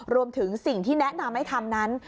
รวมถึงสิ่งที่แนะนำให้ทำนั้น